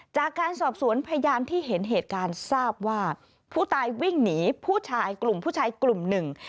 จากการสอบสวนพยานที่เห็นเหตุการณ์ทราบว่าผู้ตายวิ่งหนีผู้ชายกลุ่มผู้ชายกลุ่มหนึ่ง